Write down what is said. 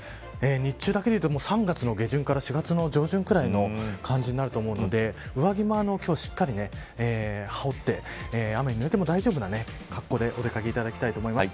日中だけでいうと３月の下旬から４月の上旬ぐらいの感じになると思うので上着も今日は、しっかり羽織って雨にぬれても大丈夫な格好でお出掛けしていただきたいと思います。